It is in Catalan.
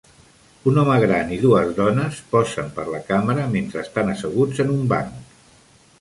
Un home gran i dues dones posen per la càmera mentre estan asseguts en un banc.